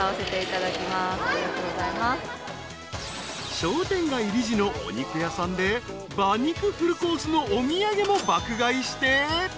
［商店街理事のお肉屋さんで馬肉フルコースのお土産も爆買いして］